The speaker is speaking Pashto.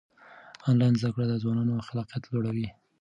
آنلاین زده کړه د ځوانانو خلاقیت لوړوي.